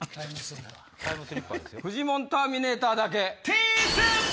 フジモンターミネーターだけ。